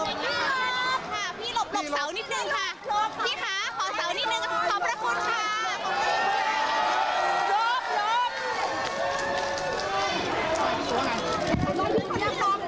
เป็นภาพของเจ้าน้ำเทียรักษาความปลอดภัยของฝ่ายความมั่นคงนะคะออกมานะคะ